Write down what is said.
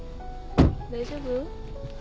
大丈夫？